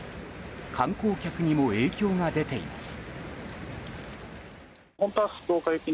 観光客にも影響が出ています。